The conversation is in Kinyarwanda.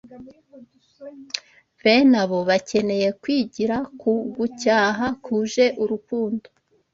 Bene abo bakeneye kwigira ku gucyaha kuje urukundo